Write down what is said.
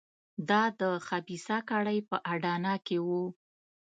دا د خبیثه کړۍ په اډانه کې وو.